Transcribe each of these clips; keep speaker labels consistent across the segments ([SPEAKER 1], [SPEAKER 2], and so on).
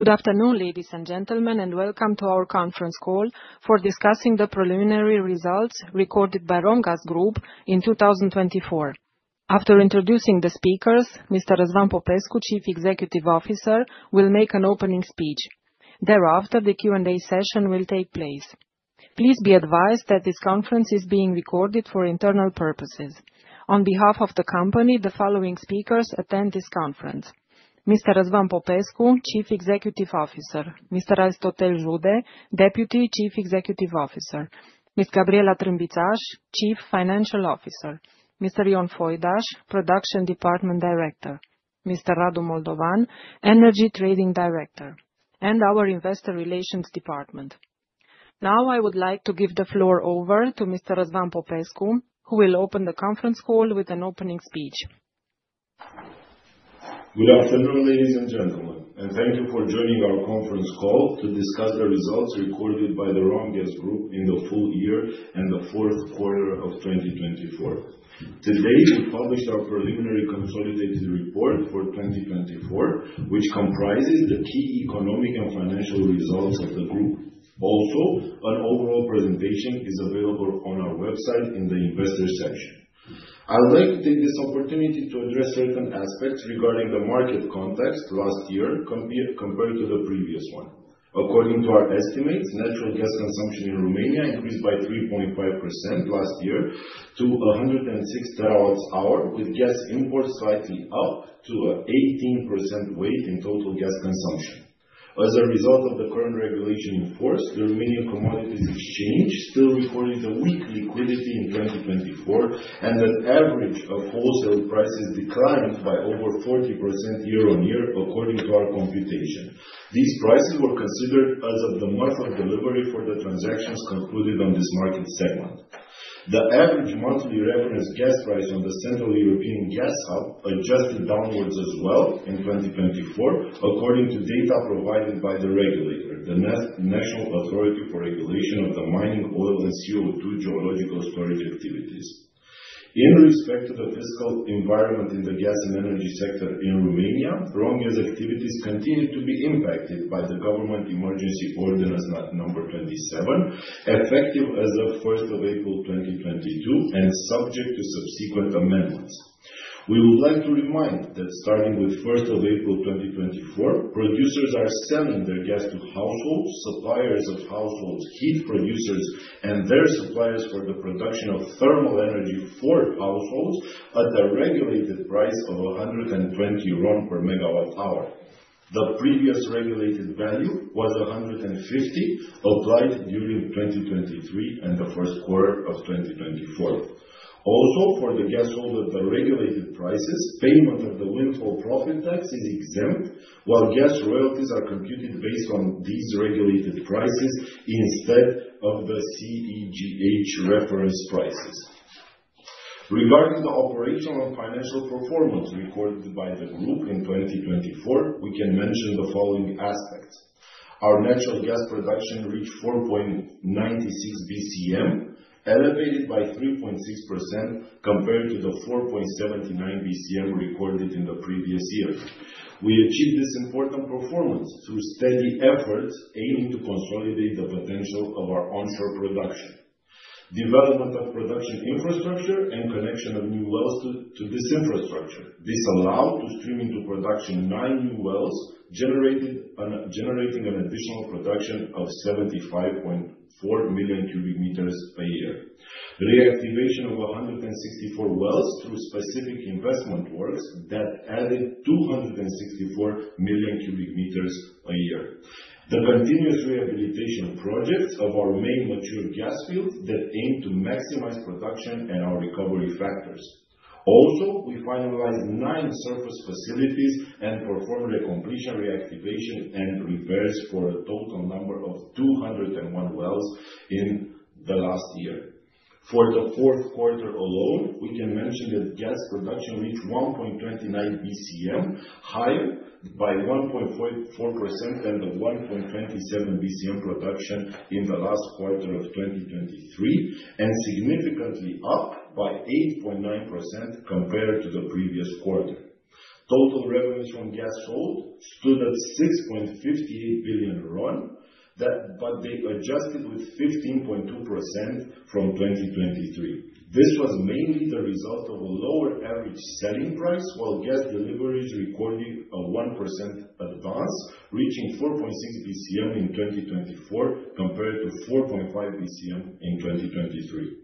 [SPEAKER 1] Good afternoon, ladies and gentlemen, and welcome to our conference call for discussing the preliminary results recorded by ROMGAZ Group in 2024. After introducing the speakers, Mr. Răzvan Popescu, Chief Executive Officer, will make an opening speech. Thereafter, the Q&A session will take place. Please be advised that this conference is being recorded for internal purposes. On behalf of the company, the following speakers attend this conference: Mr. Răzvan Popescu, Chief Executive Officer, Mr. Aristotel Jude, Deputy Chief Executive Officer, Ms. Gabriela Trânbițaș, Chief Financial Officer, Mr. Ion Foidaș, Production Department Director, Mr. Radu Moldovan, Energy Trading Director, and our Investor Relations Department. Now, I would like to give the floor over to Mr. Răzvan Popescu, who will open the conference call with an opening speech.
[SPEAKER 2] Good afternoon, ladies and gentlemen, and thank you for joining our conference call to discuss the results recorded by the ROMGAZ Group in the full year and the fourth quarter of 2024. Today, we published our preliminary consolidated report for 2024, which comprises the key economic and financial results of the group. Also, an overall presentation is available on our website in the Investor section. I would like to take this opportunity to address certain aspects regarding the market context last year compared to the previous one. According to our estimates, natural gas consumption in Romania increased by 3.5% last year to 106 TWh, with gas imports slightly up to an 18% weight in total gas consumption. As a result of the current regulation in force, the Romania Commodities Exchange still recorded a weak liquidity in 2024, and an average of wholesale prices declined by over 40% year-on-year, according to our computation. These prices were considered as of the month of delivery for the transactions concluded on this market segment. The average monthly revenue gas price on the Central European Gas Hub adjusted downwards as well in 2024, according to data provided by the regulator, the National Authority for Regulation of the Mining, Oil, and CO2 Geological Storage Activities. In respect to the fiscal environment in the gas and energy sector in Romania, ROMGAZ activities continue to be impacted by the Government Emergency Ordinance No. 27, effective as of April 1st, 2022, and subject to subsequent amendments. We would like to remind that starting with April 1st, 2024, producers are selling their gas to households, suppliers of household heat producers, and their suppliers for the production of thermal energy for households at the regulated price of RON 120 per MWh. The previous regulated value was RON 150, applied during 2023 and the first quarter of 2024. Also, for the gas sold at the regulated prices, payment of the windfall profit tax is exempt, while gas royalties are computed based on these regulated prices instead of the CEGH reference prices. Regarding the operational and financial performance recorded by the group in 2024, we can mention the following aspects: our natural gas production reached 4.96 BCM, elevated by 3.6% compared to the 4.79 BCM recorded in the previous year. We achieved this important performance through steady efforts aiming to consolidate the potential of our onshore production. Development of production infrastructure and connection of new wells to this infrastructure. This allowed streaming to production nine new wells, generating an additional production of 75.4 million cubic meters per year. Reactivation of 164 wells through specific investment works that added 264 million cubic meters per year. The continuous rehabilitation projects of our main mature gas fields that aim to maximize production and our recovery factors. Also, we finalized nine surface facilities and performed a completion reactivation and reverse for a total number of 201 wells in the last year. For the fourth quarter alone, we can mention that gas production reached 1.29 BCM, higher by 1.4% than the 1.27 BCM production in the last quarter of 2023, and significantly up by 8.9% compared to the previous quarter. Total revenues from gas sold stood at RON 6.58 billion, but they adjusted with 15.2% from 2023. This was mainly the result of a lower average selling price, while gas deliveries recorded a 1% advance, reaching 4.6 BCM in 2024 compared to 4.5 BCM in 2023.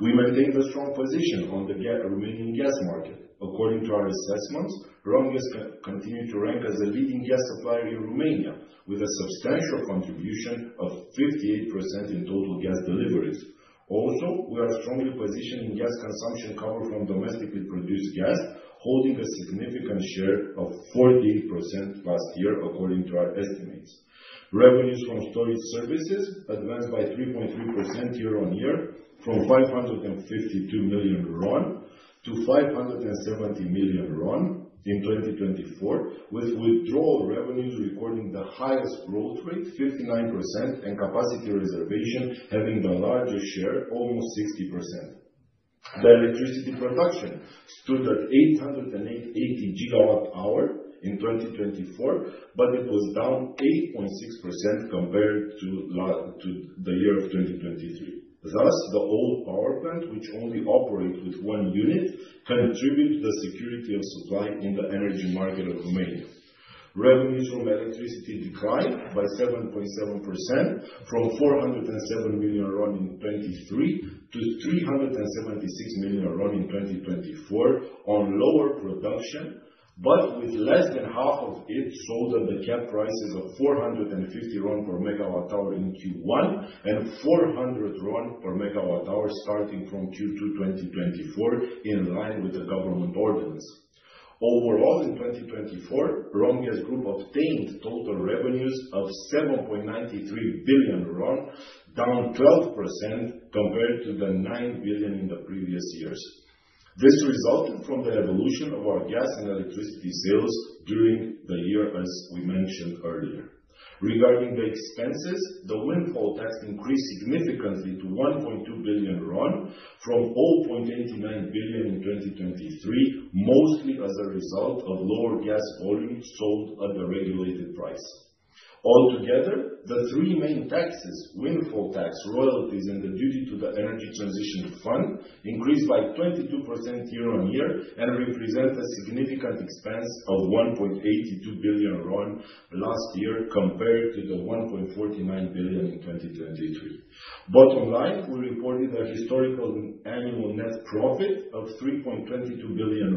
[SPEAKER 2] We maintained a strong position on the Romanian gas market. According to our assessments, ROMGAZ continued to rank as a leading gas supplier in Romania, with a substantial contribution of 58% in total gas deliveries. Also, we are strongly positioned in gas consumption cover from domestically produced gas, holding a significant share of 48% last year, according to our estimates. Revenues from storage services advanced by 3.3% year-on-year, from RON 552 million to RON 570 million in 2024, with withdrawal revenues recording the highest growth rate, 59%, and capacity reservation having the largest share, almost 60%. The electricity production stood at 880 GWh in 2024, but it was down 8.6% compared to the year of 2023. Thus, the old power plant, which only operated with one unit, contributed to the security of supply in the energy market of Romania. Revenues from electricity declined by 7.7%, from RON 407 million in 2023 to RON 376 million in 2024, on lower production, but with less than half of it sold at the cap prices of RON 450 per MWh in Q1 and RON 400 per MWh starting from Q2 2024, in line with the government ordinance. Overall, in 2024, ROMGAZ Group obtained total revenues of RON 7.93 billion, down 12% compared to the RON 9 billion in the previous years. This resulted from the evolution of our gas and electricity sales during the year, as we mentioned earlier. Regarding the expenses, the windfall tax increased significantly to RON 1.2 billion, from RON 0.89 billion in 2023, mostly as a result of lower gas volume sold at the regulated price. Altogether, the three main taxes (windfall tax, royalties, and the duty to the Energy Transition Fund) increased by 22% year-on-year and represent a significant expense of RON 1.82 billion last year compared to the RON 1.49 billion in 2023. Bottom line, we reported a historical annual net profit of RON 3.22 billion,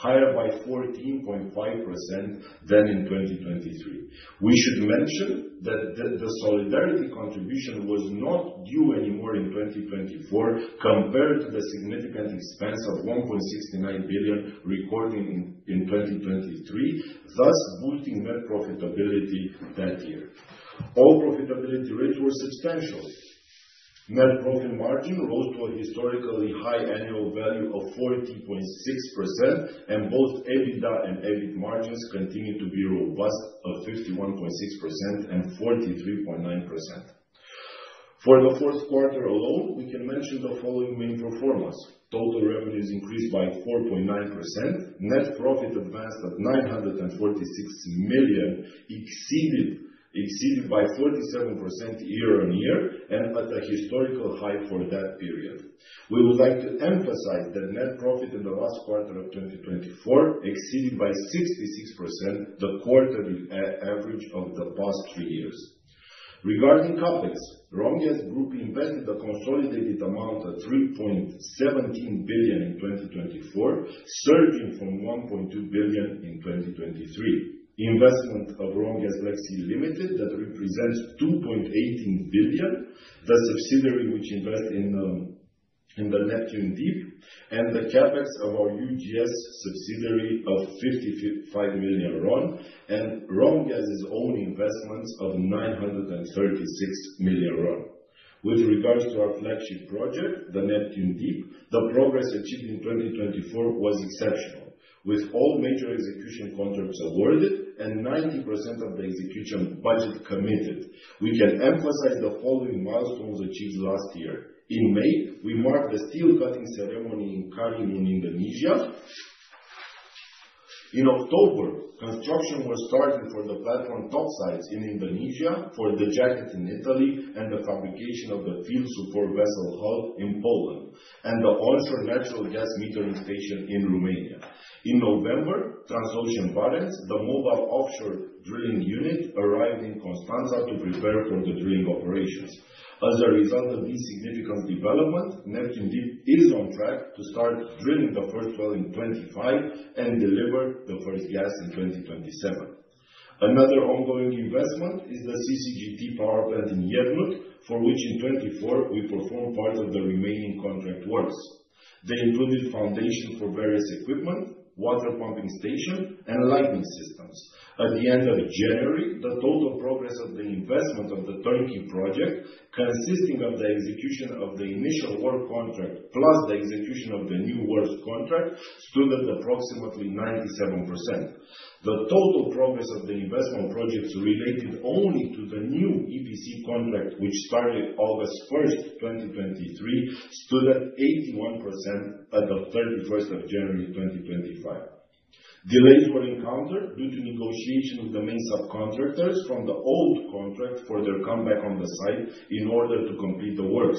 [SPEAKER 2] higher by 14.5% than in 2023. We should mention that the solidarity contribution was not due anymore in 2024 compared to the significant expense of RON 1.69 billion recorded in 2023, thus boosting net profitability that year. All profitability rates were substantial. Net profit margin rose to a historically high annual value of 40.6%, and both EBITDA and EBIT margins continued to be robust at 51.6% and 43.9%. For the fourth quarter alone, we can mention the following main performance: total revenues increased by 4.9%, net profit advanced at RON 946 million, exceeded by 47% year-on-year, and at a historical high for that period. We would like to emphasize that net profit in the last quarter of 2024 exceeded by 66%, the quarterly average of the past three years. Regarding CapEx, ROMGAZ Group invested a consolidated amount of RON 3.17 billion in 2024, surging from RON 1.2 billion in 2023. Investment of ROMGAZ Black Sea Limited that represents RON 2.18 billion, the subsidiary which invests in the Neptun Deep, and the CapEx of our UGS subsidiary of RON 55 million, and ROMGAZ's own investments of RON 936 million. With regards to our flagship project, the Neptun Deep, the progress achieved in 2024 was exceptional, with all major execution contracts awarded and 90% of the execution budget committed. We can emphasize the following milestones achieved last year: in May, we marked the steel cutting ceremony in Karimun, Indonesia. In October, construction was started for the platform topsides in Indonesia, for the jacket in Italy, and the fabrication of the field support vessel hull in Poland, and the onshore natural gas metering station in Romania. In November, Transocean Barents, the mobile offshore drilling unit, arrived in Constanța to prepare for the drilling operations. As a result of these significant developments, Neptun Deep is on track to start drilling the first well in 2025 and deliver the first gas in 2027. Another ongoing investment is the CCGT power plant in lernut, for which in 2024 we performed part of the remaining contract works. They included foundation for various equipment, water pumping station, and lightning systems. At the end of January, the total progress of the investment of the turnkey project, consisting of the execution of the initial work contract plus the execution of the new works contract, stood at approximately 97%. The total progress of the investment projects related only to the new EPC contract, which started August 1st, 2023, stood at 81% at the 31st of January 2025. Delays were encountered due to negotiation with the main subcontractors from the old contract for their comeback on the site in order to complete the works.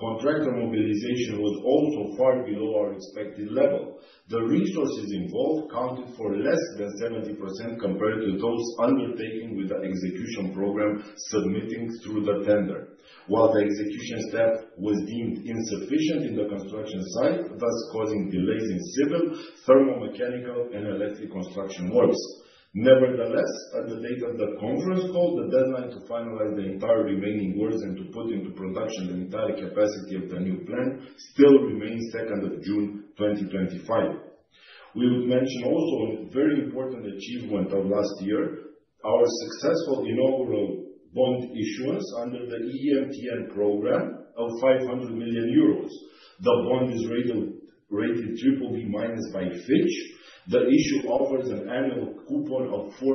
[SPEAKER 2] Contractor mobilization was also far below our expected level. The resources involved counted for less than 70% compared to those undertaken with the execution program submitting through the tender, while the execution step was deemed insufficient in the construction site, thus causing delays in civil, thermal, mechanical, and electric construction works. Nevertheless, at the date of the conference call, the deadline to finalize the entire remaining works and to put into production the entire capacity of the new plant still remains 2nd of June 2025. We would mention also a very important achievement of last year: our successful inaugural bond issuance under the EMTN program of 500 million euros. The bond is rated BBB- by Fitch. The issue offers an annual coupon of 4.75%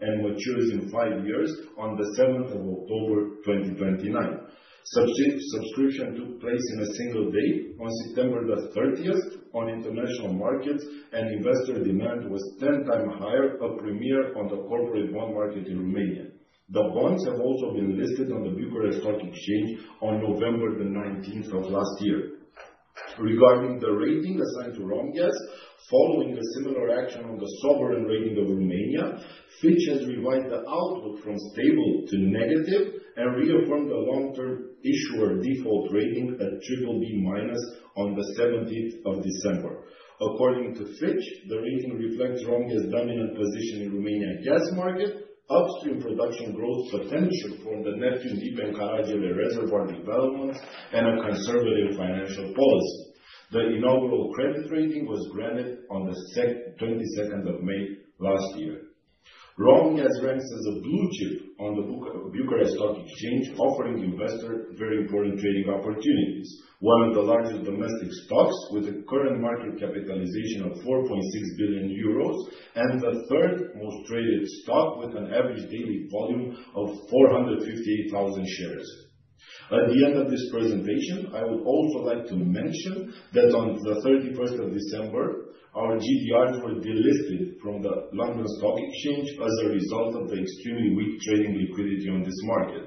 [SPEAKER 2] and matures in five years on the 7th of October 2029. Subscription took place in a single day, on September the 30th, on international markets, and investor demand was 10 times higher, a premiere on the corporate bond market in Romania. The bonds have also been listed on the Bucharest Stock Exchange on November the 19th of last year. Regarding the rating assigned to ROMGAZ, following a similar action on the sovereign rating of Romania, Fitch has revised the outlook from stable to negative and reaffirmed the long-term issuer default rating at BBB- on the 17th of December. According to Fitch, the rating reflects ROMGAZ's dominant position in the Romania gas market, upstream production growth potential for the Neptun Deep and Caragele Reservoir developments, and a conservative financial policy. The inaugural credit rating was granted on the 22nd of May last year. ROMGAZ ranks as a blue chip on the Bucharest Stock Exchange, offering investors very important trading opportunities. One of the largest domestic stocks, with a current market capitalization of 4.6 billion euros, and the third most traded stock, with an average daily volume of 458,000 shares. At the end of this presentation, I would also like to mention that on the 31st of December, our GDRs were delisted from the London Stock Exchange as a result of the extremely weak trading liquidity on this market.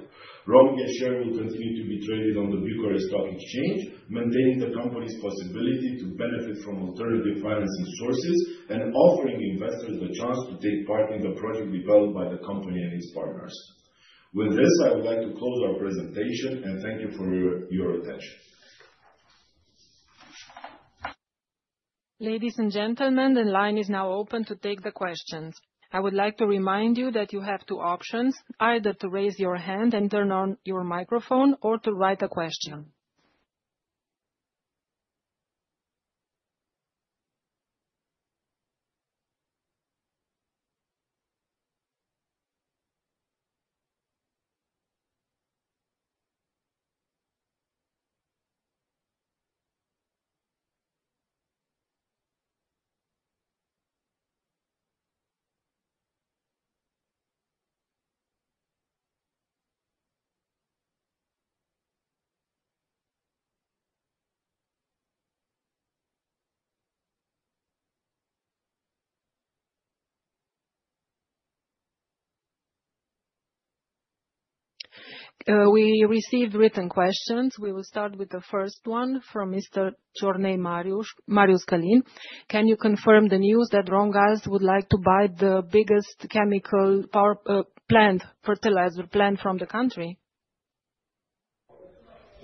[SPEAKER 2] ROMGAZ share will continue to be traded on the Bucharest Stock Exchange, maintaining the company's possibility to benefit from alternative financing sources and offering investors the chance to take part in the project developed by the company and its partners. With this, I would like to close our presentation and thank you for your attention.
[SPEAKER 1] Ladies and gentlemen, the line is now open to take the questions. I would like to remind you that you have two options: either to raise your hand and turn on your microphone, or to write a question. We received written questions. We will start with the first one from Mr. Cernei Marius Călin. Can you confirm the news that ROMGAZ would like to buy the biggest chemical plant fertilizer plant from the country?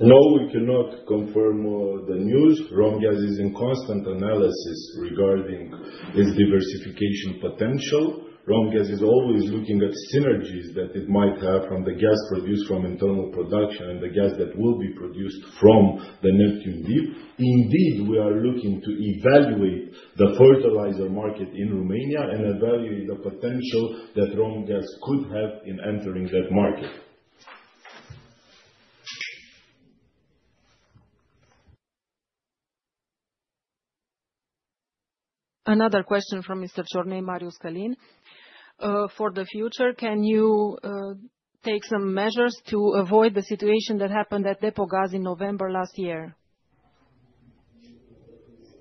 [SPEAKER 2] No, we cannot confirm the news. ROMGAZ is in constant analysis regarding its diversification potential. ROMGAZ is always looking at synergies that it might have from the gas produced from internal production and the gas that will be produced from the Neptun Deep. Indeed, we are looking to evaluate the fertilizer market in Romania and evaluate the potential that ROMGAZ could have in entering that market.
[SPEAKER 1] Another question from Mr. Cernei Marius Călin. For the future, can you take some measures to avoid the situation that happened at Depogaz in November last year?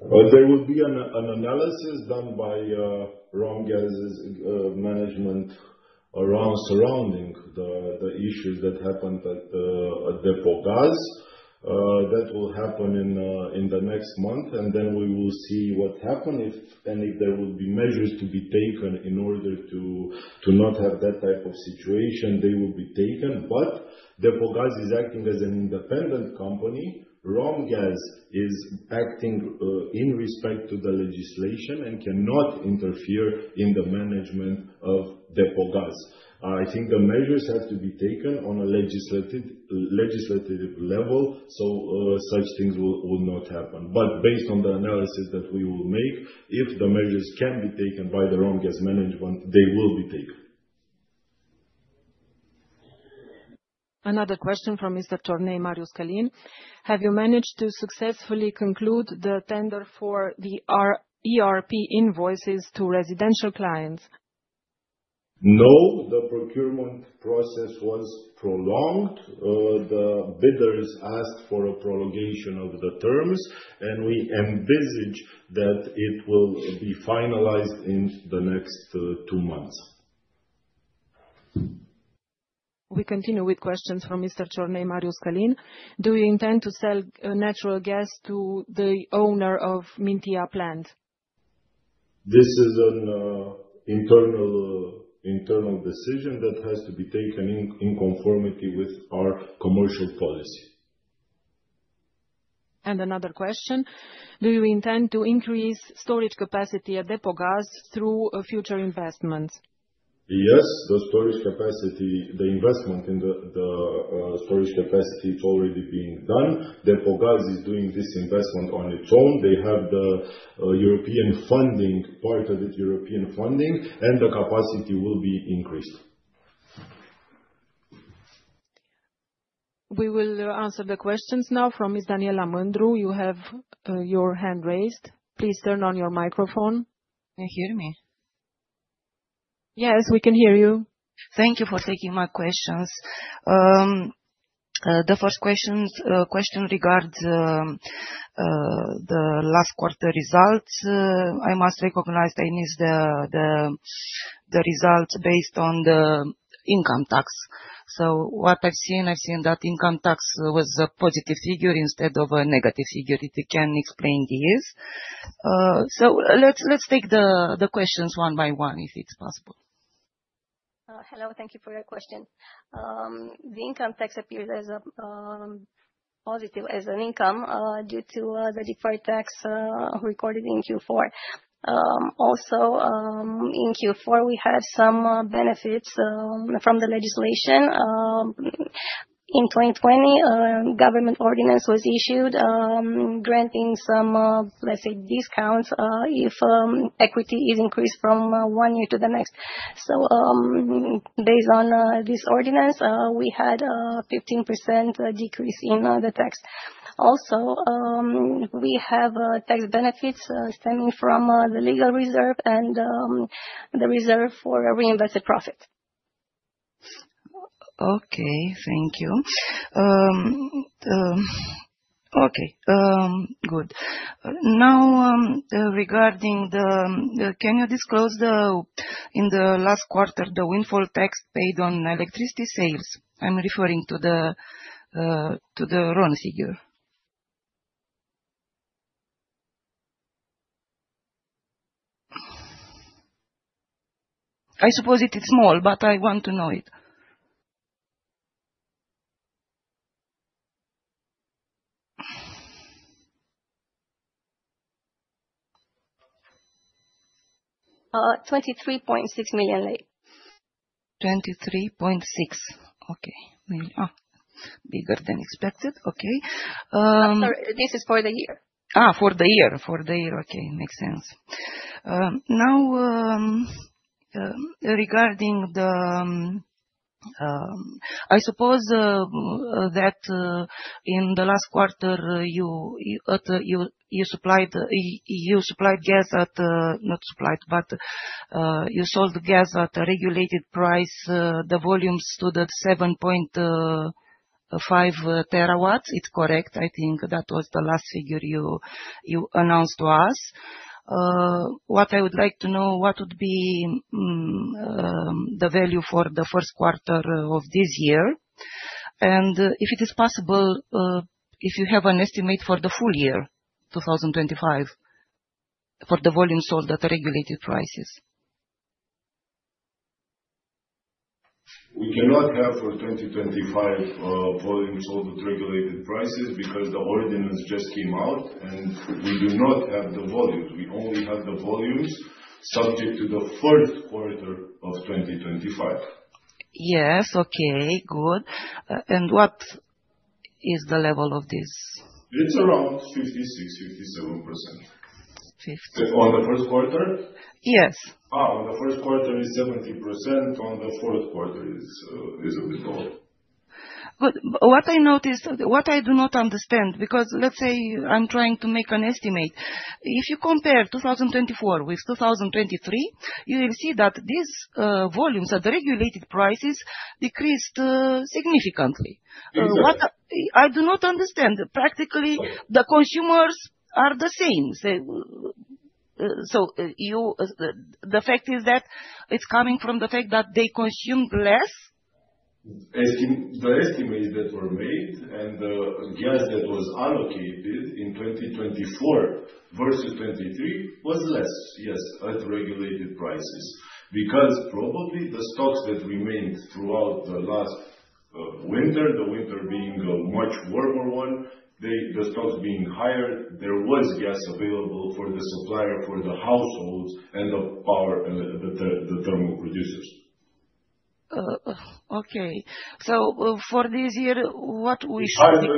[SPEAKER 2] There will be an analysis done by ROMGAZ's management around surrounding the issues that happened at Depogaz. That will happen in the next month, and then we will see what happens. And if there will be measures to be taken in order to not have that type of situation, they will be taken. But Depogaz is acting as an independent company. ROMGAZ is acting in respect to the legislation and cannot interfere in the management of Depogaz. I think the measures have to be taken on a legislative level, so such things will not happen. But based on the analysis that we will make, if the measures can be taken by the ROMGAZ management, they will be taken.
[SPEAKER 1] Another question from Mr. Cernei Marius Călin. Have you managed to successfully conclude the tender for the ERP invoices to residential clients?
[SPEAKER 2] No, the procurement process was prolonged. The bidders asked for a prolongation of the terms, and we envisage that it will be finalized in the next two months.
[SPEAKER 1] We continue with questions from Mr. Cernei Marius Călin. Do you intend to sell natural gas to the owner of Mintia Plant?
[SPEAKER 2] This is an internal decision that has to be taken in conformity with our commercial policy.
[SPEAKER 1] And another question. Do you intend to increase storage capacity at Depogaz through future investments?
[SPEAKER 2] Yes, the storage capacity, the investment in the storage capacity is already being done. Depogaz is doing this investment on its own. They have the European funding, part of the European funding, and the capacity will be increased.
[SPEAKER 1] We will answer the questions now from Ms. Daniela Mândru. You have your hand raised. Please turn on your microphone.
[SPEAKER 3] Can you hear me?
[SPEAKER 1] Yes, we can hear you.
[SPEAKER 3] Thank you for taking my questions. The first question regards the last quarter results. I must recognize that it is the results based on the income tax. So what I've seen, I've seen that income tax was a positive figure instead of a negative figure. If you can explain this. So let's take the questions one by one if it's possible.
[SPEAKER 4] Hello, thank you for your question. The income tax appeared as a positive as an income due to the deferred tax recorded in Q4. Also, in Q4, we had some benefits from the legislation. In 2020, a government ordinance was issued granting some, let's say, discounts if equity is increased from one year to the next. So based on this ordinance, we had a 15% decrease in the tax. Also, we have tax benefits stemming from the legal reserve and the reserve for reinvested profit.
[SPEAKER 3] Okay, thank you. Okay, good. Now, regarding the, can you disclose the, in the last quarter, the windfall tax paid on electricity sales? I'm referring to the RON figure.
[SPEAKER 2] I suppose it is small, but I want to know it.
[SPEAKER 4] RON 23.6 million.
[SPEAKER 3] RON 23.6, okay. Bigger than expected, okay.
[SPEAKER 4] This is for the year,
[SPEAKER 3] for the year, okay. Makes sense. Now, regarding the, I suppose that in the last quarter, you supplied gas at, not supplied, but you sold gas at a regulated price. The volume stood at 7.5 TWh. It's correct, I think that was the last figure you announced to us. What I would like to know, what would be the value for the first quarter of this year? And if it is possible, if you have an estimate for the full year, 2025, for the volume sold at regulated prices.
[SPEAKER 2] We cannot have for 2025 volume sold at regulated prices because the ordinance just came out, and we do not have the volumes. We only have the volumes subject to the first quarter of 2025.
[SPEAKER 3] Yes, okay, good. And what is the level of this?
[SPEAKER 2] It's around 56%-57%. On the first quarter?
[SPEAKER 3] Yes.
[SPEAKER 2] On the first quarter is 70%, on the fourth quarter is a bit lower.
[SPEAKER 3] But what I noticed, what I do not understand, because let's say I'm trying to make an estimate, if you compare 2024 with 2023, you will see that these volumes at regulated prices decreased significantly. I do not understand. Practically, the consumers are the same. So the fact is that it's coming from the fact that they consume less.
[SPEAKER 2] The estimates that were made and the gas that was allocated in 2024 versus 2023 was less, yes, at regulated prices. Because probably the stocks that remained throughout the last winter, the winter being a much warmer one, the stocks being higher, there was gas available for the supplier for the households and the power and the thermal producers.
[SPEAKER 3] Okay. So for this year, what we should.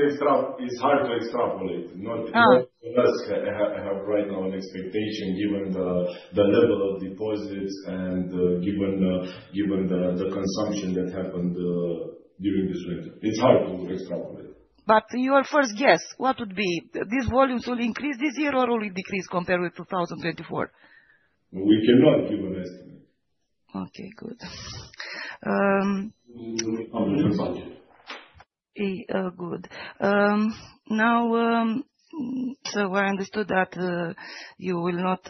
[SPEAKER 2] It's hard to extrapolate. Not less. I have right now an expectation given the level of deposits and given the consumption that happened during this winter. It's hard to extrapolate.
[SPEAKER 3] But your first guess, what would be? These volumes will increase this year or will it decrease compared with 2024?
[SPEAKER 2] We cannot give an estimate.
[SPEAKER 3] Okay, good. Under the budget. Good. Now, so I understood that you will not,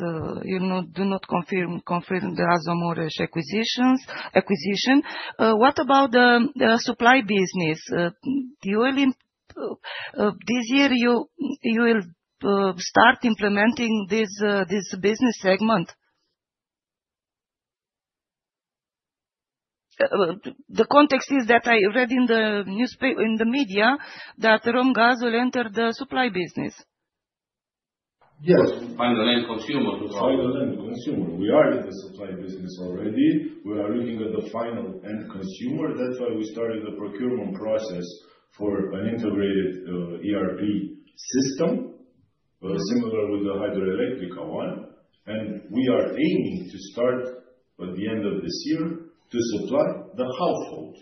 [SPEAKER 3] you do not confirm the Azomureș acquisitions. What about the supply business? This year, you will start implementing this business segment? The context is that I read in the media. That ROMGAZ will enter the supply business.
[SPEAKER 2] Yes, final end consumer. Final end consumer. We are in the supply business already. We are looking at the final end consumer. That's why we started the procurement process for an integrated ERP system, similar with the Hidroelectrica one. And we are aiming to start at the end of this year to supply the household.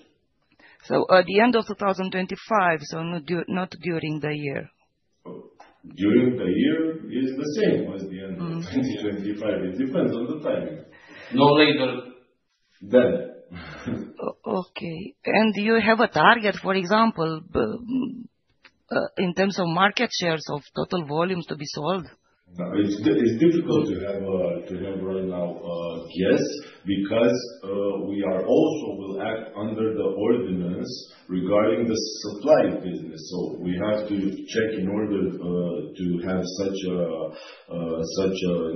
[SPEAKER 3] So at the end of 2025, so not during the year?
[SPEAKER 2] During the year is the same as the end of 2025. It depends on the timing. No later. Then.
[SPEAKER 3] Okay. And do you have a target, for example, in terms of market shares of total volumes to be sold?
[SPEAKER 2] It's difficult to have right now a guess because we are also will act under the ordinance regarding the supply business. So we have to check in order to have such,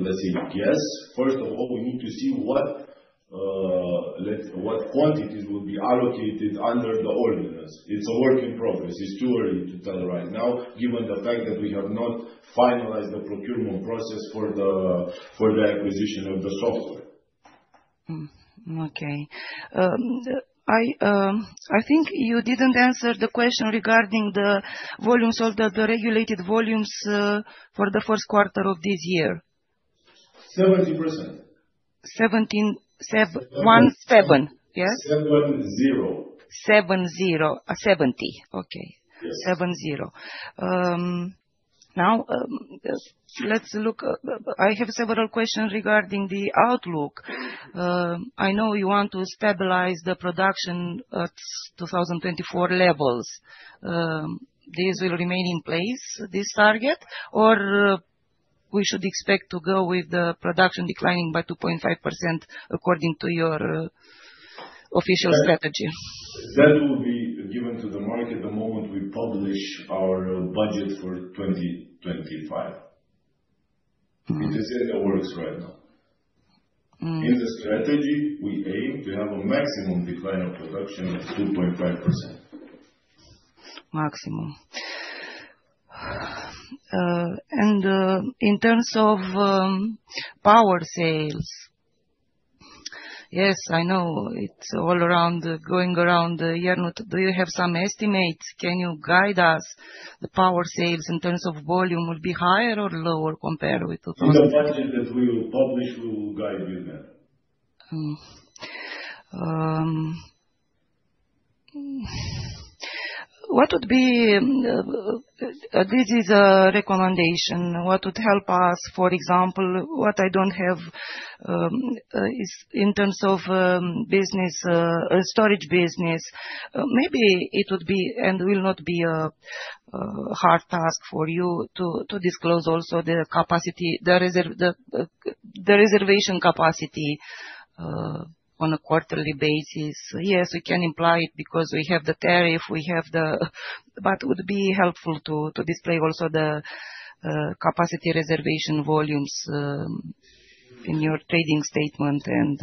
[SPEAKER 2] let's say, guess. First of all, we need to see what quantities will be allocated under the ordinance. It's a work in progress. It's too early to tell right now, given the fact that we have not finalized the procurement process for the acquisition of the software.
[SPEAKER 3] Okay. I think you didn't answer the question regarding the volumes or the regulated volumes for the first quarter of this year.
[SPEAKER 2] 70%.
[SPEAKER 3] 17.17, yes? 70. 70, 70. Okay. 70. Now, let's look. I have several questions regarding the outlook. I know you want to stabilize the production at 2024 levels. This will remain in place, this target, or we should expect to go with the production declining by 2.5% according to your official strategy?
[SPEAKER 2] That will be given to the market the moment we publish our budget for 2025. It is in the works right now. In the strategy, we aim to have a maximum decline of production of 2.5%.
[SPEAKER 3] Maximum and in terms of power sales, yes, I know it's all around going around the year. Do you have some estimates? Can you guide us? The power sales in terms of volume will be higher or lower compared with.
[SPEAKER 2] In the budget that we will publish, we will guide you there.
[SPEAKER 3] What would be? This is a recommendation. What would help us, for example? What I don't have is in terms of business, storage business. Maybe it would be and will not be a hard task for you to disclose also the capacity, the reservation capacity on a quarterly basis. Yes, we can imply it because we have the tariff. We have the, but would be helpful to display also the capacity reservation volumes in your trading statement and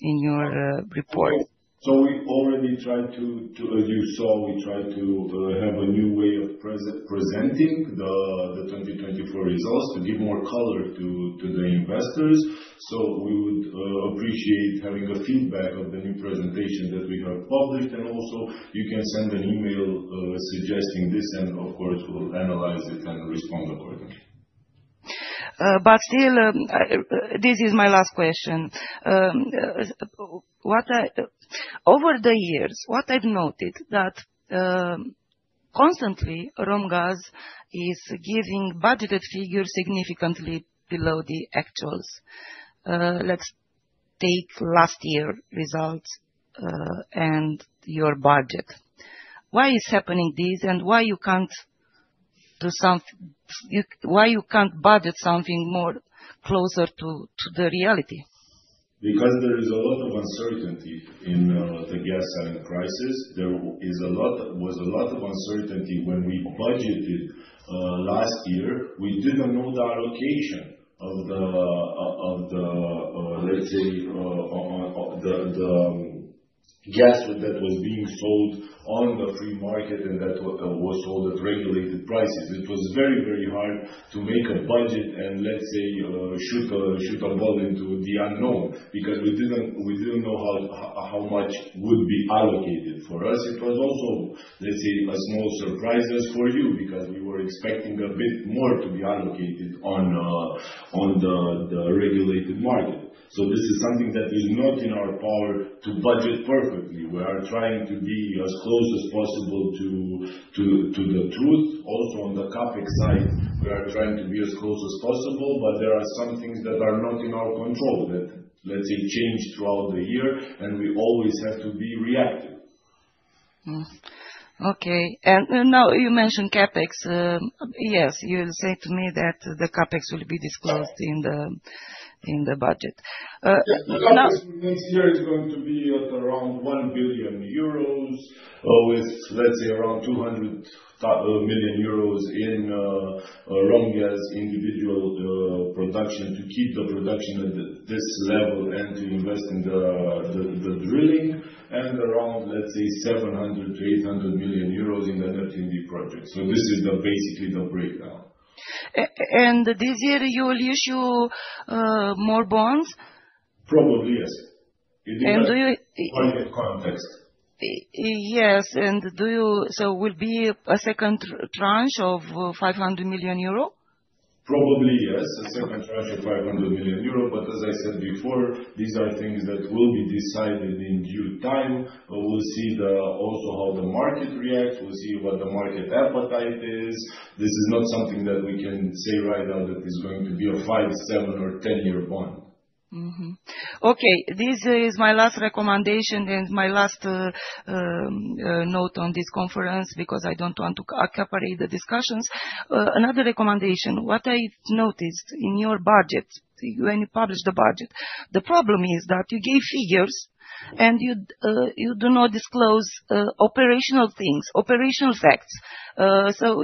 [SPEAKER 3] in your report.
[SPEAKER 2] So we already tried to, as you saw, we tried to have a new way of presenting the 2024 results to give more color to the investors. So we would appreciate having a feedback of the new presentation that we have published. And also, you can send an email suggesting this, and of course, we'll analyze it and respond accordingly.
[SPEAKER 3] But still, this is my last question. Over the years, what I've noted that constantly ROMGAZ is giving budgeted figures significantly below the actuals. Let's take last year's results and your budget. Why is happening this and why you can't budget something more closer to the reality?
[SPEAKER 2] Because there is a lot of uncertainty in the gas selling prices. There was a lot of uncertainty when we budgeted last year. We didn't know the allocation of the, let's say, the gas that was being sold on the free market and that was sold at regulated prices. It was very, very hard to make a budget and, let's say, shoot a ball into the unknown because we didn't know how much would be allocated for us. It was also, let's say, a small surprise for you because we were expecting a bit more to be allocated on the regulated market. So this is something that is not in our power to budget perfectly. We are trying to be as close as possible to the truth. Also on the CapEx side, we are trying to be as close as possible, but there are some things that are not in our control that, let's say, change throughout the year, and we always have to be reactive.
[SPEAKER 3] Okay, and now you mentioned CapEx. Yes, you said to me that the CapEx will be disclosed in the budget.
[SPEAKER 2] The CapEx for next year is going to be at around 1 billion euros, with, let's say, around 200 million euros in ROMGAZ individual production to keep the production at this level and to invest in the drilling and around, let's say, 700 million-800 million euros in the Neptun Deep project. So this is basically the breakdown.
[SPEAKER 3] And this year, you will issue more bonds?
[SPEAKER 2] Probably, yes. In the target context.
[SPEAKER 3] Yes. And so will be a second tranche of 500 million euros?
[SPEAKER 2] Probably, yes. A second tranche of 500 million euros. But as I said before, these are things that will be decided in due time. We'll see also how the market reacts. We'll see what the market appetite is. This is not something that we can say right now that is going to be a five, seven, or 10-year bond.
[SPEAKER 3] Okay. This is my last recommendation and my last note on this conference because I don't want to monopolize the discussions. Another recommendation. What I noticed in your budget, when you published the budget, the problem is that you gave figures and you do not disclose operational things, operational facts. So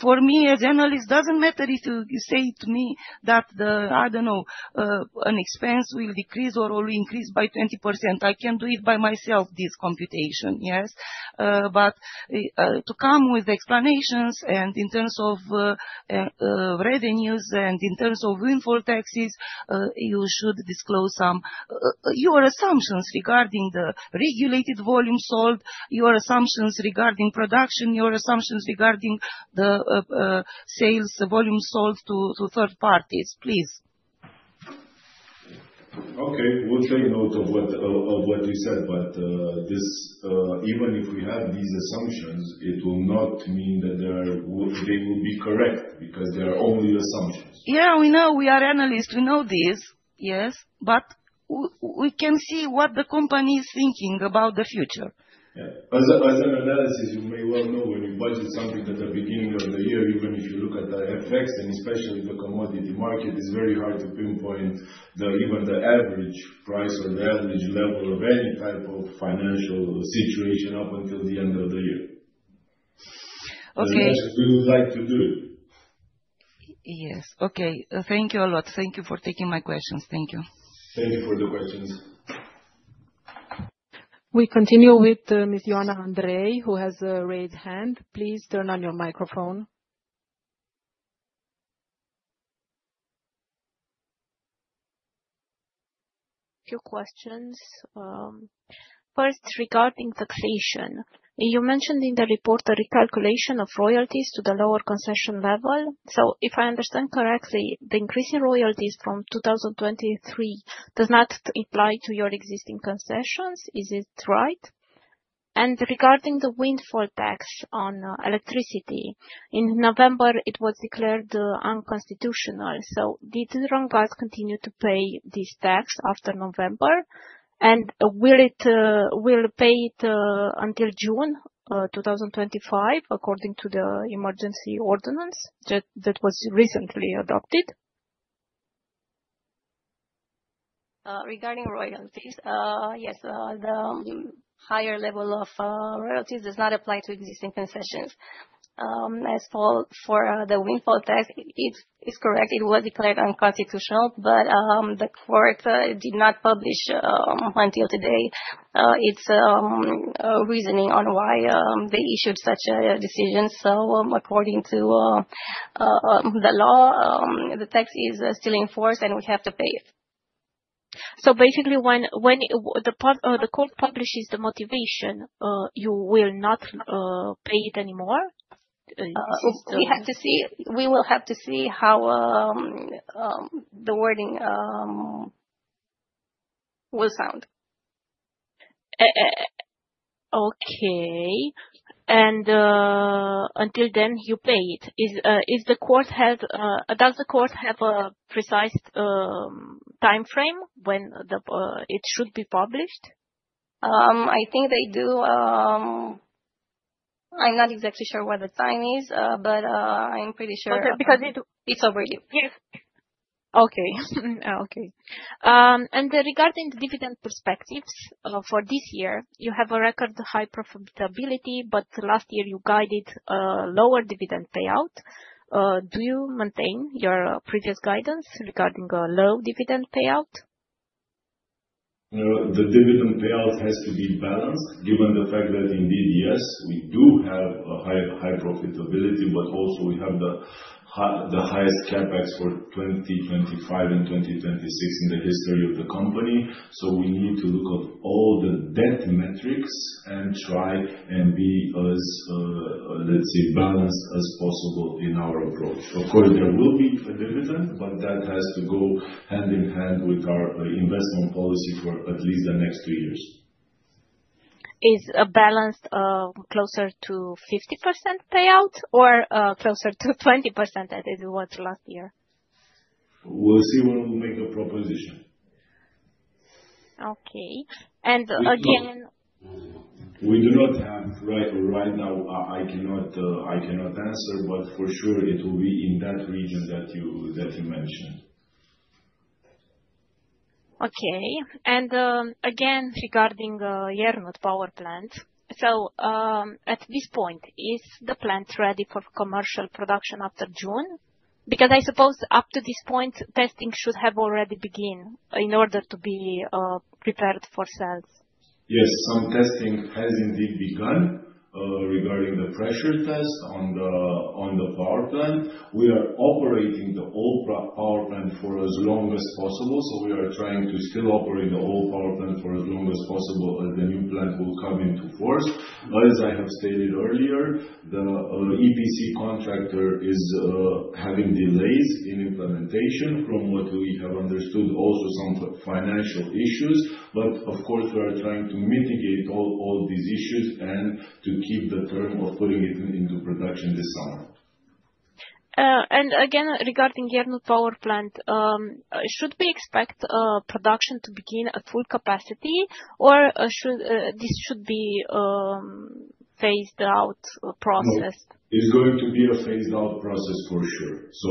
[SPEAKER 3] for me, as an analyst, it doesn't matter if you say to me that the, I don't know, an expense will decrease or will increase by 20%. I can do it by myself, this computation, yes? But to come with explanations and in terms of revenues and in terms of windfall taxes, you should disclose some of your assumptions regarding the regulated volume sold, your assumptions regarding production, your assumptions regarding the sales volume sold to third parties, please.
[SPEAKER 2] Okay. We'll take note of what you said, but even if we have these assumptions, it will not mean that they will be correct because they are only assumptions.
[SPEAKER 3] Yeah, we know. We are analysts. We know this, yes? But we can see what the company is thinking about the future.
[SPEAKER 2] As an analyst, you may well know when you budget something at the beginning of the year, even if you look at the FX, and especially the commodity market, it's very hard to pinpoint even the average price or the average level of any type of financial situation up until the end of the year.
[SPEAKER 3] Okay.
[SPEAKER 2] We would like to do it.
[SPEAKER 3] Yes. Okay. Thank you a lot. Thank you for taking my questions. Thank you.
[SPEAKER 2] Thank you for the questions.
[SPEAKER 1] We continue with Ms. Ioana Andrei, who has raised hand. Please turn on your microphone.
[SPEAKER 5] A few questions. First, regarding taxation, you mentioned in the report the recalculation of royalties to the lower concession level. So if I understand correctly, the increase in royalties from 2023 does not apply to your existing concessions. Is it right? And regarding the windfall tax on electricity, in November, it was declared unconstitutional. So did ROMGAZ continue to pay this tax after November? And will it pay it until June 2025 according to the Emergency Ordinance that was recently adopted?
[SPEAKER 4] Regarding royalties, yes, the higher level of royalties does not apply to existing concessions. As for the windfall tax, it's correct. It was declared unconstitutional, but the court did not publish until today its reasoning on why they issued such a decision. So according to the law, the tax is still in force, and we have to pay it.
[SPEAKER 5] So basically, when the court publishes the motivation, you will not pay it anymore?
[SPEAKER 4] We have to see. We will have to see how the wording will sound.
[SPEAKER 5] Okay. And until then, you pay it. Does the court have a precise timeframe when it should be published?
[SPEAKER 4] I think they do. I'm not exactly sure what the time is, but I'm pretty sure.
[SPEAKER 5] Okay.
[SPEAKER 4] Because it's overdue.
[SPEAKER 5] Okay. Okay. And regarding dividend perspectives for this year, you have a record high profitability, but last year, you guided lower dividend payout. Do you maintain your previous guidance regarding low dividend payout?
[SPEAKER 2] The dividend payout has to be balanced given the fact that indeed, yes, we do have a high profitability, but also we have the highest CapEx for 2025 and 2026 in the history of the company. So we need to look at all the debt metrics and try and be as, let's say, balanced as possible in our approach. Of course, there will be a dividend, but that has to go hand in hand with our investment policy for at least the next two years.
[SPEAKER 5] Is a balanced closer to 50% payout or closer to 20% than it was last year?
[SPEAKER 2] We'll see when we make the proposition.
[SPEAKER 5] Okay. And again.
[SPEAKER 2] We do not have right now. I cannot answer, but for sure, it will be in that region that you mentioned.
[SPEAKER 5] Okay. Again, regarding the lernut power plants, so at this point, is the plant ready for commercial production after June? Because I suppose up to this point, testing should have already begun in order to be prepared for sales.
[SPEAKER 2] Yes. Some testing has indeed begun regarding the pressure test on the power plant. We are operating the old power plant for as long as possible. So we are trying to still operate the old power plant for as long as possible as the new plant will come into force. As I have stated earlier, the EPC contractor is having delays in implementation from what we have understood, also some financial issues. But of course, we are trying to mitigate all these issues and to keep the term of putting it into production this summer.
[SPEAKER 5] And again, regarding lernut power plant, should we expect production to begin at full capacity, or this should be a phased-out process?
[SPEAKER 2] It's going to be a phased-out process for sure. So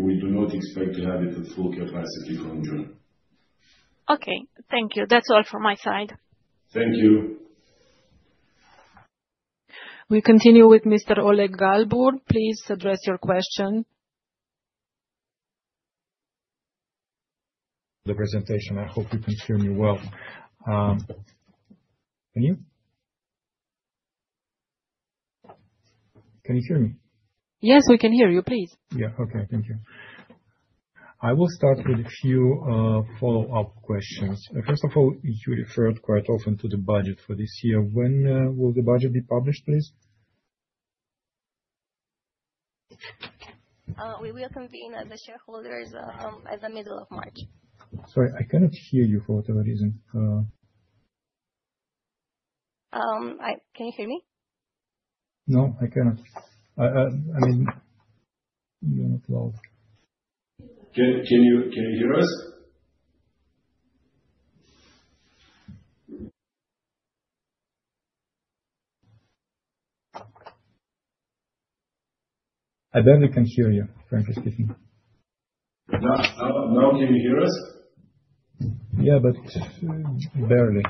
[SPEAKER 2] we do not expect to have it at full capacity from June.
[SPEAKER 5] Okay. Thank you. That's all from my side.
[SPEAKER 2] Thank you.
[SPEAKER 5] We continue with Mr. Oleg Galbur. Please address your question.
[SPEAKER 6] The presentation. I hope you can hear me well. Can you hear me?
[SPEAKER 1] Yes, we can hear you. Please.
[SPEAKER 6] Yeah. Okay. Thank you. I will start with a few follow-up questions. First of all, you referred quite often to the budget for this year. When will the budget be published, please?
[SPEAKER 4] We will convene the shareholders at the middle of March.
[SPEAKER 6] Sorry, I cannot hear you for whatever reason.
[SPEAKER 4] Can you hear me?
[SPEAKER 6] No, I cannot. I mean, you're not loud.
[SPEAKER 2] Can you hear us? I barely can hear you, frankly speaking. Now, can you hear us?
[SPEAKER 6] Yeah, but barely.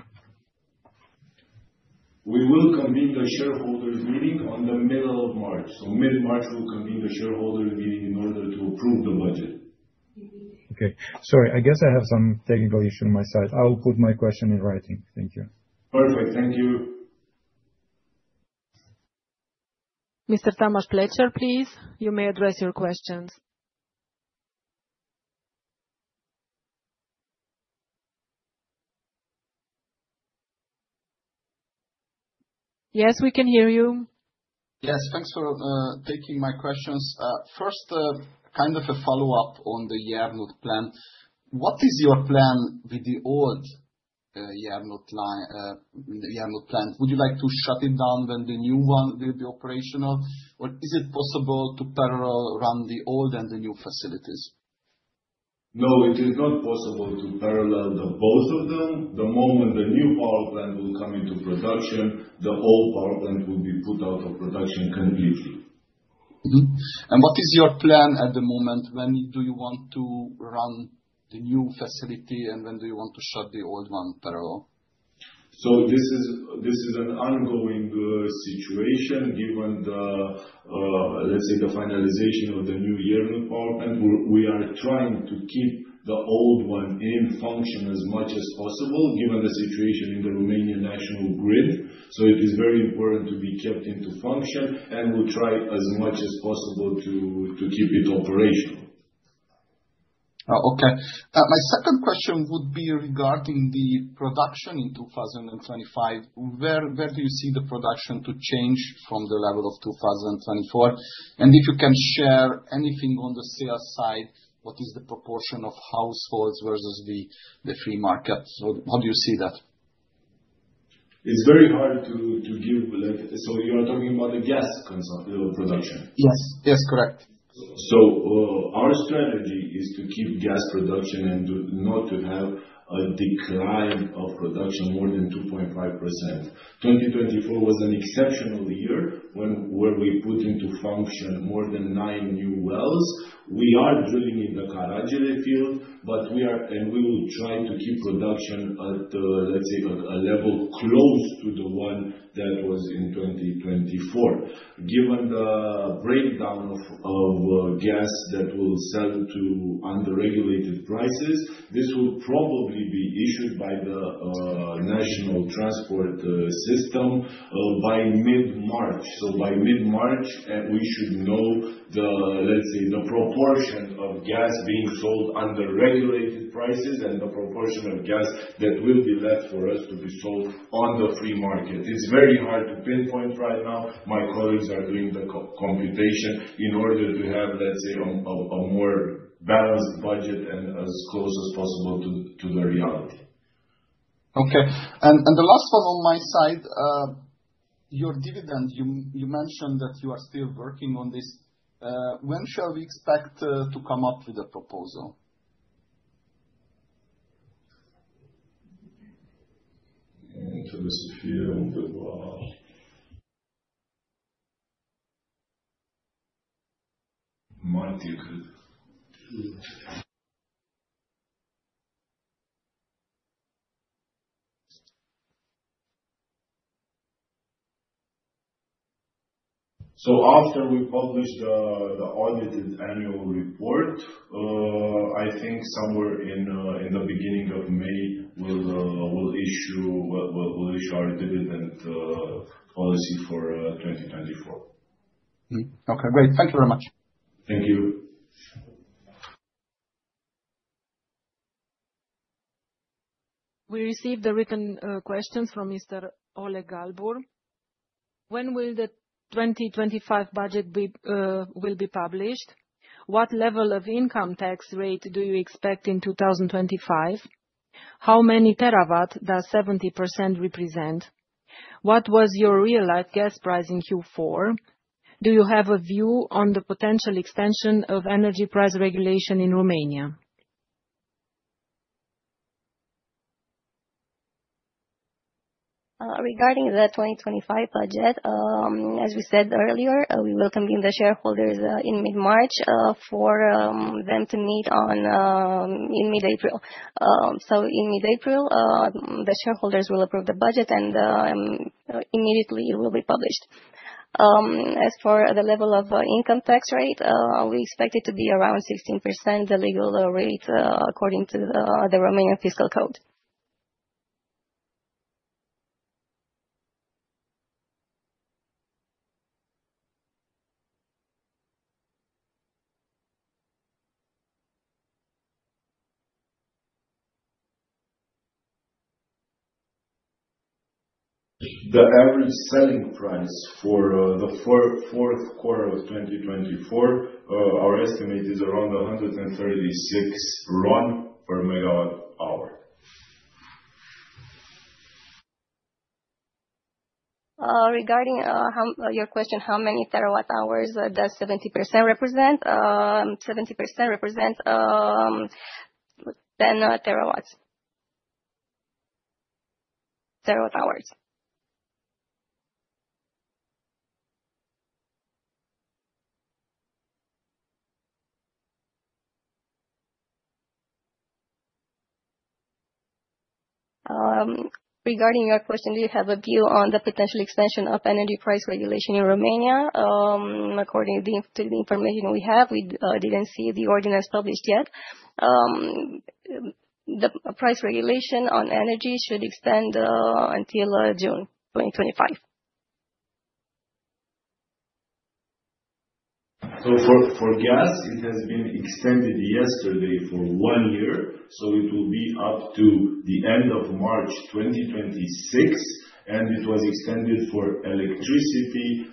[SPEAKER 2] We will convene the shareholders' meeting on the middle of March. So mid-March, we'll convene the shareholders' meeting in order to approve the budget.
[SPEAKER 6] Okay. Sorry, I guess I have some technical issue on my side. I'll put my question in writing. Thank you.
[SPEAKER 2] Perfect. Thank you.
[SPEAKER 1] Mr. Tamas Pletser, please. You may address your questions. Yes, we can hear you.
[SPEAKER 7] Yes. Thanks for taking my questions. First, kind of a follow-up on the lernut plant. What is your plan with the old lernut plant? Would you like to shut it down when the new one will be operational? Or is it possible to parallel run the old and the new facilities?
[SPEAKER 2] No, it is not possible to parallel both of them. The moment the new power plant will come into production, the old power plant will be put out of production completely.
[SPEAKER 7] And what is your plan at the moment? When do you want to run the new facility, and when do you want to shut the old one parallel?
[SPEAKER 2] So this is an ongoing situation given, let's say, the finalization of the new lernut power plant. We are trying to keep the old one in function as much as possible given the situation in the Romanian national grid. So it is very important to be kept into function, and we'll try as much as possible to keep it operational.
[SPEAKER 7] Okay. My second question would be regarding the production in 2025. Where do you see the production to change from the level of 2024? And if you can share anything on the sales side, what is the proportion of households versus the free market? How do you see that?
[SPEAKER 2] It's very hard to give a lot. So you are talking about the gas production?
[SPEAKER 7] Yes. Yes, correct.
[SPEAKER 2] So our strategy is to keep gas production and not to have a decline of production more than 2.5%. 2024 was an exceptional year where we put into function more than nine new wells. We are drilling in the Caragele field, and we will try to keep production, let's say, at a level close to the one that was in 2024. Given the breakdown of gas that will sell to underregulated prices, this will probably be issued by the National Transport System by mid-March. By mid-March, we should know, let's say, the proportion of gas being sold under-regulated prices and the proportion of gas that will be left for us to be sold on the free market. It's very hard to pinpoint right now. My colleagues are doing the computation in order to have, let's say, a more balanced budget and as close as possible to the reality.
[SPEAKER 7] Okay. And the last one on my side, your dividend, you mentioned that you are still working on this. When shall we expect to come up with a proposal?
[SPEAKER 2] So after we publish the audited annual report, I think somewhere in the beginning of May, we'll issue our dividend policy for 2024.
[SPEAKER 7] Okay. Great. Thank you very much.
[SPEAKER 2] Thank you.
[SPEAKER 1] We received the written questions from Mr. Oleg Galbur. When will the 2025 budget be published? What level of income tax rate do you expect in 2025? How many TWh does 70% represent? What was your realized gas price in Q4? Do you have a view on the potential extension of energy price regulation in Romania?
[SPEAKER 4] Regarding the 2025 budget, as we said earlier, we will convene the shareholders in mid-March for them to meet in mid-April. So in mid-April, the shareholders will approve the budget, and immediately, it will be published. As for the level of income tax rate, we expect it to be around 16%, the legal rate according to the Romanian fiscal code.
[SPEAKER 2] The average selling price for the fourth quarter of 2024, our estimate is around RON 136 per MWh.
[SPEAKER 4] Regarding your question, how many TWh does 70% represent? 70% represent 10 TWh. Regarding your question, do you have a view on the potential extension of energy price regulation in Romania? According to the information we have, we didn't see the ordinance published yet. The price regulation on energy should extend until June 2025.
[SPEAKER 2] So for gas, it has been extended yesterday for one year. So it will be up to the end of March 2026. And it was extended for electricity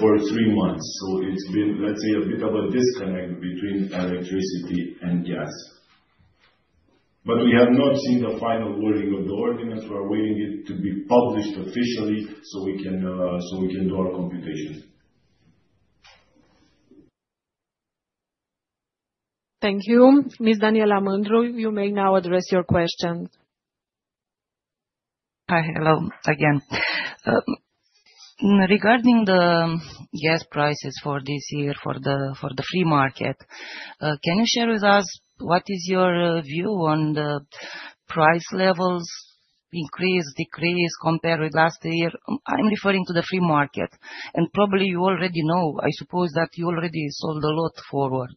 [SPEAKER 2] for three months. So it's been, let's say, a bit of a disconnect between electricity and gas. But we have not seen the final wording of the ordinance. We are waiting it to be published officially so we can do our computations.
[SPEAKER 1] Thank you. Ms. Daniela Mândru, you may now address your question.
[SPEAKER 3] Hi. Hello again. Regarding the gas prices for this year for the free market, can you share with us what is your view on the price levels? Increase, decrease, compare with last year? I'm referring to the free market. And probably you already know, I suppose that you already sold a lot forward.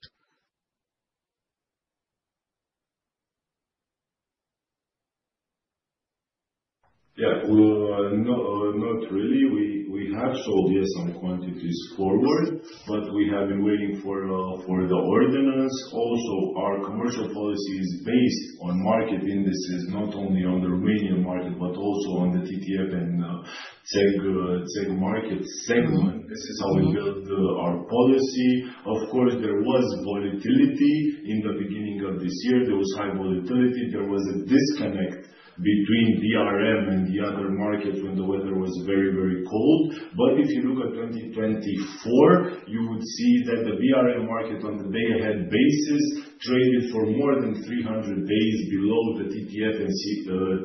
[SPEAKER 2] Yeah. Not really. We have sold some quantities forward, but we have been waiting for the ordinance. Also, our commercial policy is based on market indices, not only on the Romanian market, but also on the TTF and CEGH market segment. This is how we build our policy. Of course, there was volatility in the beginning of this year. There was high volatility. There was a disconnect between BRM and the other markets when the weather was very, very cold. But if you look at 2024, you would see that the BRM market on the day-ahead basis traded for more than 300 days below the TTF and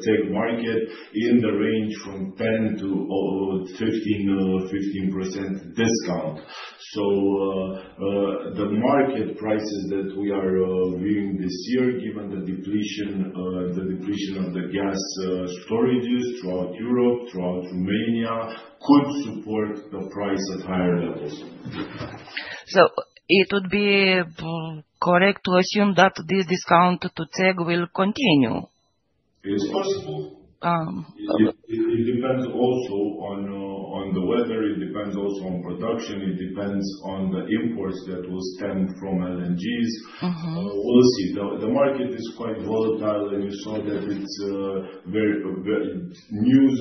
[SPEAKER 2] CEGH market in the range from 10%-15% discount. So the market prices that we are viewing this year, given the depletion of the gas storages throughout Europe, throughout Romania, could support the price at higher levels.
[SPEAKER 3] So it would be correct to assume that this discount to CEGH will continue?
[SPEAKER 2] It's possible. It depends also on the weather. It depends also on production. It depends on the imports that will stem from LNGs. We'll see. The market is quite volatile. And you saw that it's very news.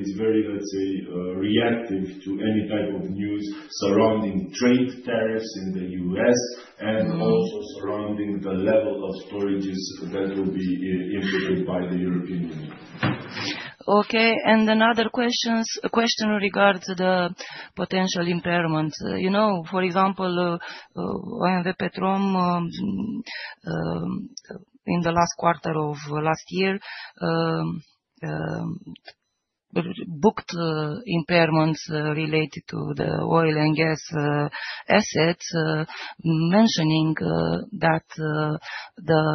[SPEAKER 2] It's very, let's say, reactive to any type of news surrounding trade tariffs in the U.S. and also surrounding the level of storages that will be implicated by the European Union.
[SPEAKER 3] Okay. And another question regards the potential impairments.
[SPEAKER 2] For example, OMV Petrom in the last quarter of last year booked impairments related to the oil and gas assets, mentioning that the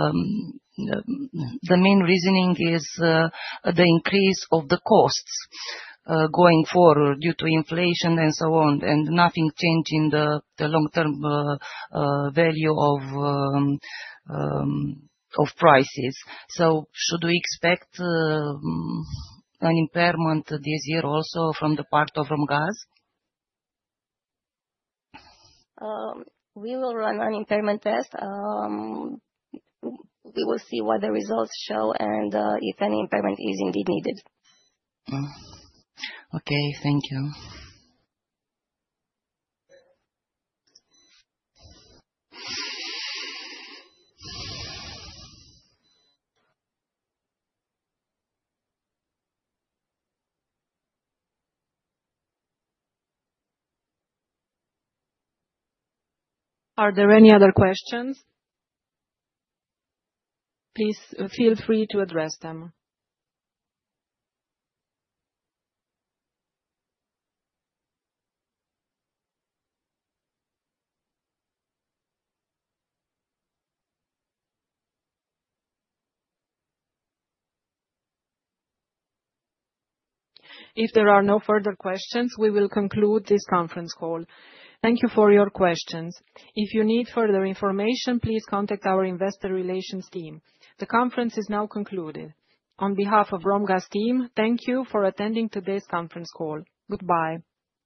[SPEAKER 2] main reasoning is the increase of the costs going forward due to inflation and so on, and nothing changing the long-term value of prices. So should we expect an impairment this year also from the part of gas?
[SPEAKER 4] We will run an impairment test. We will see what the results show and if any impairment is indeed needed.
[SPEAKER 3] Okay. Thank you.
[SPEAKER 1] Are there any other questions? Please feel free to address them. If there are no further questions, we will conclude this conference call. Thank you for your questions. If you need further information, please contact our investor relations team. The conference is now concluded. On behalf of ROMGAZ Team, thank you for attending today's conference call. Goodbye.